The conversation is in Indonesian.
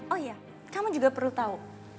oh iya kamu juga perlu tahu